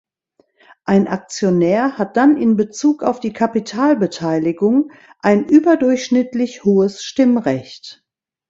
Ein Aktionär hat dann in Bezug auf die Kapitalbeteiligung ein überdurchschnittlich hohes Stimmrecht.